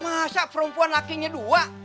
masa perempuan lakinya dua